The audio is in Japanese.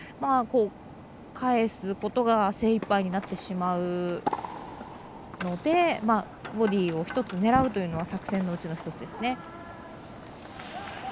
返すことが精いっぱいになってしまうのでボディーを狙うというのは作戦のうちの１つですね。